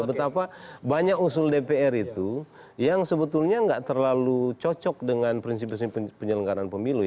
betapa banyak usul dpr itu yang sebetulnya nggak terlalu cocok dengan prinsip prinsip penyelenggaran pemilu